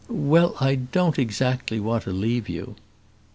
"Well, I don't exactly want to leave you."